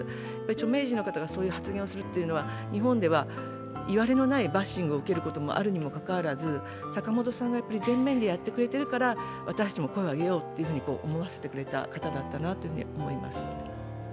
著名人の方がそういう発言をするということは日本ではいわれのないバッシングを受けることがあるにもかかわらず坂本さんが前面でやってくれているから私たちも声を上げてやっていこうと思わせてくれた方だったなと思います。